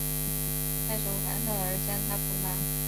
太守怀恨而将他捕拿。